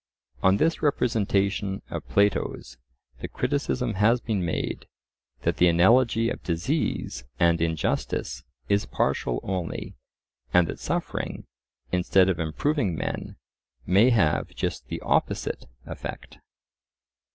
On this representation of Plato's the criticism has been made, that the analogy of disease and injustice is partial only, and that suffering, instead of improving men, may have just the opposite effect.